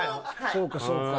そうかそうか。